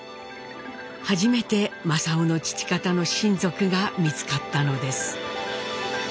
初めて正雄の父方の親族が見つかったのです。